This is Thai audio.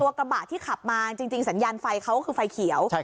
ตัวกระบะที่ขับมาจริงจริงสัญญาณไฟเขาคือไฟเขียวใช่ครับ